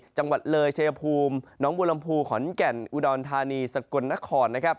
จังหวัดเลยเชพภูมิน้องบุรมภูมิขอนแก่นอุดอนทานีสกลนคร